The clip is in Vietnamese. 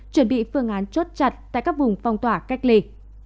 chuẩn bị phương án chốt chặt tại các vùng phong tỏa cách ly